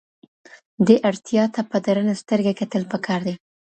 دې اړتیا ته په درنه سترګه کتل پکار دي.